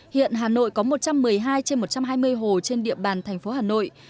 hiện hà nội có một trăm một mươi hai trên một trăm hai mươi hồ trên địa bàn thành phố hà nội